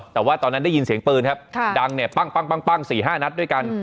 แต่ว่าตอนนั้นได้ยินเสียงปืนครับดังเนี่ยปั้ง๔๕นัดด้วยกัน